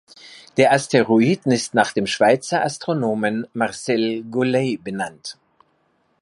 Der Asteroid ist nach dem Schweizer Astronomen Marcel Golay benannt.